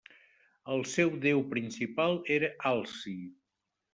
El seu déu principal era Alci.